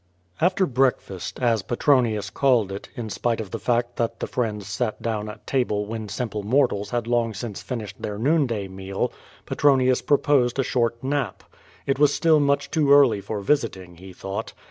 After breakfast, as Petronius called it, in spite of the fact that the friends sat down at table when simple mortals had long since finished their noon day meal, Petronius proposed a short nap. It was still much too early for visiting, he thought.